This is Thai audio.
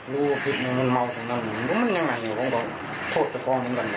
รู้ว่ามันเมาเขินได้แล้วรู้ว่ามันยังไงเนี่ยโกรธสะพองด้วยกันนะ